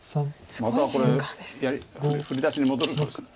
またこれ振り出しに戻るかもしれない。